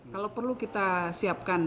kalau perlu kita siapkan